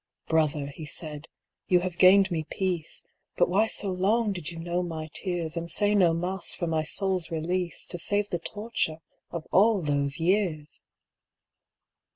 "Brother," he said, "you have gained me peace, But why so long did you know my tears, And say no Mass for my soul's release, To save the torture of all those years?"